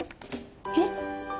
えっ？